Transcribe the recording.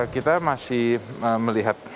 kita masih melihat